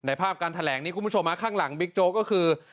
ภาพการแถลงนี้คุณผู้ชมข้างหลังบิ๊กโจ๊กก็คือ